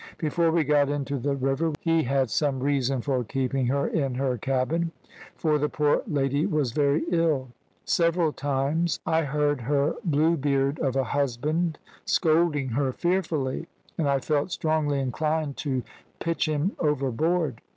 Before we got into the river, he had some reason for keeping her in her cabin; for the poor lady was very ill. Several times I heard her Bluebeard of a husband scolding her fearfully, and I felt strongly inclined to pitch him overboard.